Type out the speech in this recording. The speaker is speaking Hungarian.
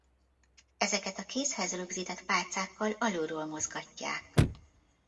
Ezeket a kézhez rögzített pálcákkal alulról mozgatják.